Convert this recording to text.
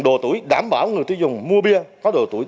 đồ tuổi đảm bảo người tiêu dùng mua bia có đồ tuổi